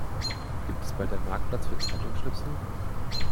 Gibt es bald einen Marktplatz für Zeitungsschnipsel?